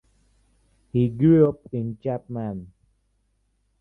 He grew up in Chapman.